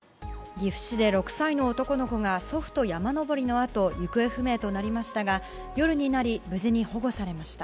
岐阜市で６歳の男の子が祖父と山登りのあと行方不明となりましたが夜になり、無事保護されました。